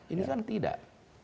ini kan tidak